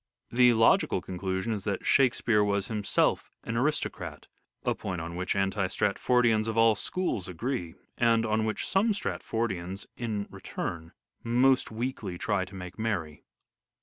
The logical conclusion is that " Shakespeare " was himself an aristocrat : a point on which anti Stratfordians of all schools agree, and on which some Stratfordians, in return, most weakly try to make merry.